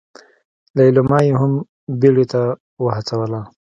ليلما يې هم بيړې ته وهڅوله.